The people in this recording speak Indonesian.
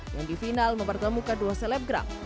yang di final mempertemukan dua selebgram